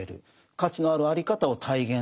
価値のあるあり方を体現する。